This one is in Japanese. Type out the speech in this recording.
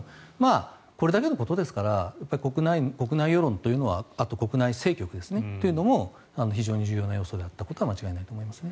これだけのことですから国内世論というのはあと、国内政局というのも非常に重要な要素であったことは間違いないと思いますね。